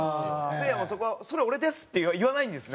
せいやもそこは「それ俺です」って言わないんですね。